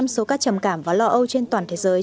số các trầm cảm và lo âu trên toàn thế giới